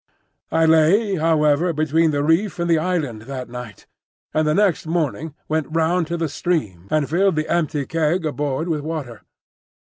I lay, however, between the reef and the island that night, and the next morning went round to the stream and filled the empty keg aboard with water.